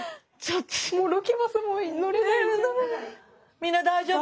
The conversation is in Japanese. みんな大丈夫？